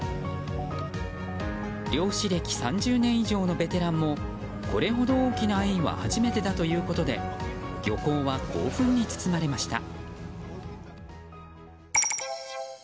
漁師歴３０年以上のベテランもこれほど大きなエイは初めてだということで漁港は興奮に包まれました。